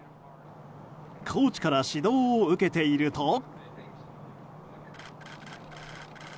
コーチから指導を受けていると。